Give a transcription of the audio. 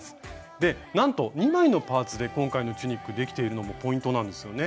でなんと２枚のパーツで今回のチュニックできているのもポイントなんですよね。